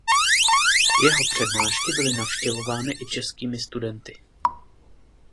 Jeho přednášky byly navštěvovány i českými studenty.